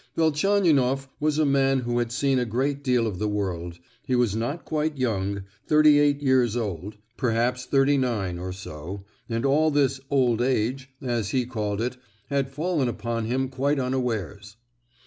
Velchaninoff was a man who had seen a great deal of the world; he was not quite young, thirty eight years old—perhaps thirty nine, or so; and all this "old age," as he called it, had "fallen upon him quite unawares."